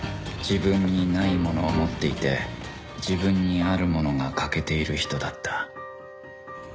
自分にないものを持っていて自分にあるものが欠けている人だった